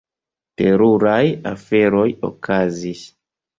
Teruraj aferoj okazis.